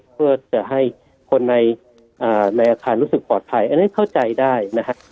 เพื่อจะให้คนในอาคารรู้สึกปลอดภัยอันนั้นเข้าใจได้นะฮะ